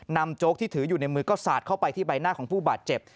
โจ๊กที่ถืออยู่ในมือก็สาดเข้าไปที่ใบหน้าของผู้บาดเจ็บ